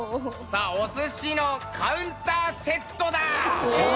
さあお寿司のカウンターセットだ！